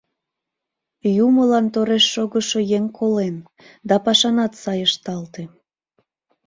— Юмылан тореш шогышо еҥ колен да пашанат сай ышталте.